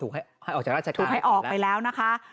ให้ออกจากราชการถูกให้ออกไปแล้วนะคะ